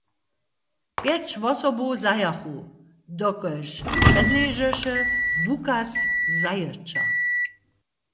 Pjeć wosobow zajachu, dokelž předležeše wukaz zajeća.